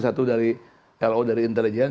satu dari lo dari intelijen